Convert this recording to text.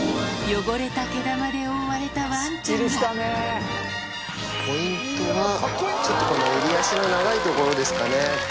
汚れた毛玉で覆われたわんちポイントは、ちょっとこの襟足の長いところですかね。